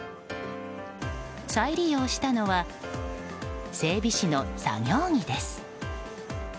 再利用したのは整備士の作業着です。